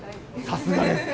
さすがです！